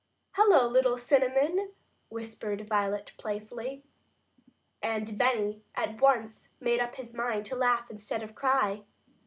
"Hello, little Cinnamon!" whispered Violet playfully. And Benny at once made up his mind to laugh instead of cry.